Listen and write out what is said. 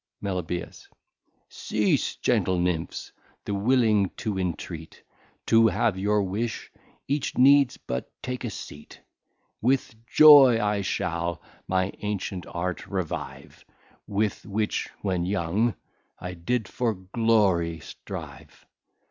Meli. Cease, gentle Nymphs, the Willing to entreat, To have your Wish, each needs but take a Seat. With joy I shall my ancient Art revive, With which, when Young, I did for Glory strive.